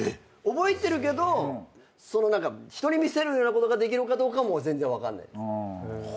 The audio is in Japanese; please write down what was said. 覚えてるけど何か人に見せれるようなことができるかどうかは全然分かんないです。